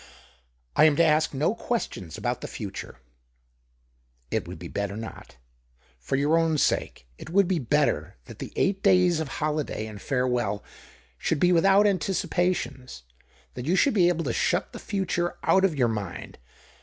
" I am to ask no questions about the future ?" "It would be l)etter not. For your own sake, it would be better that the eight days of holiday and farewell should be without anticipations — that you should be able to shut the future out of your mind.